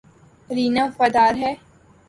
رینا وفادار ہے